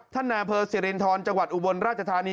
ท่านแนพสิรินทรจังหวัดอุบลราชธานี